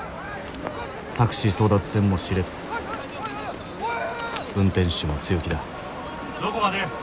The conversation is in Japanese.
タクシー争奪戦も熾烈運転手も強気だどこまで？